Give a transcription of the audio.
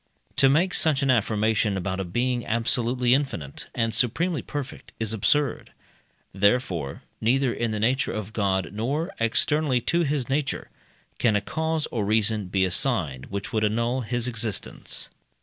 To make such an affirmation about a being absolutely infinite and supremely perfect is absurd; therefore, neither in the nature of God, nor externally to his nature, can a cause or reason be assigned which would annul his existence.